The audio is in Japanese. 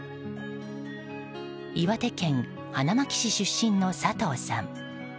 岩手県花巻市出身の佐藤さん。